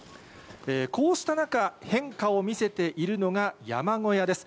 こうした中、変化を見せているのが、山小屋です。